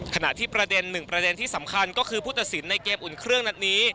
ขณะที่ประเด็นหนึ่งประเด็นที่สำคัญก็คือผู้ตัดสินในเกมอุ่นเครื่องนัดนี้